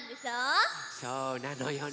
そうなのよね。